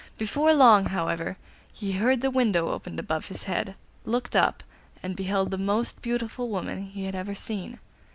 Before long, however, he heard the window opened above his head, looked up, and beheld the most beautiful woman he had ever seen.